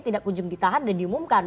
tidak kunjung ditahan dan diumumkan